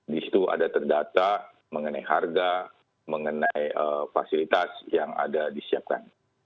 di situ ada terdata mengenai harga mengenai fasilitas yang ada disiapkan